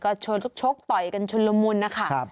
ก็โชคต่อยกันชนลมุลนะค่ะ